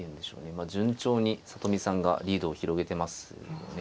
順調に里見さんがリードを広げてますね。